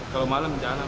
kalau malam jalan